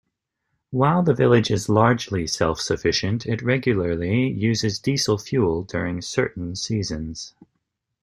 While the village is largely self-sufficient, it regularly uses diesel fuel during certain seasons.